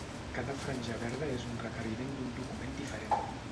Cada franja verda és un requeriment d'un document diferent.